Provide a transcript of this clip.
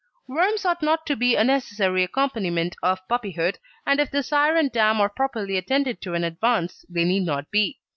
Worms ought not to be a necessary accompaniment of puppyhood, and if the sire and dam are properly attended to in advance they need not be.